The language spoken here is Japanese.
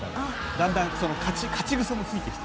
だんだん、勝ち癖がついてきた。